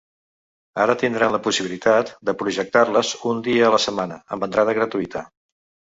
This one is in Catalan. Ara tindran la possibilitat de projectar-les un dia la setmana, amb entrada gratuïta.